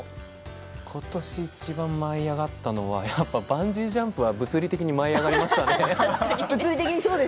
今年いちばん舞い上がったのはバンジージャンプは物理的に舞い上がりましたね。